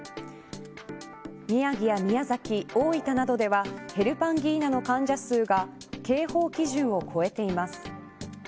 宮城や宮崎、大分などではヘルパンギーナの患者数が警報基準を超えています。